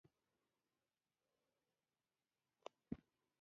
تنور د خپلو خلکو یاد تازه کوي